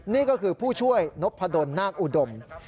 นี่ก็คือผู้ช่วยนพดลนาคอุดม